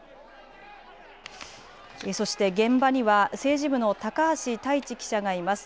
そして現場には政治部の高橋太一記者がいます。